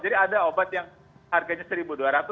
jadi ada obat yang harganya rp satu dua ratus